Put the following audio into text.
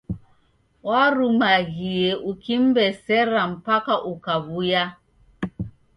Warumaghie ukim'besera mpaka ukaw'uya.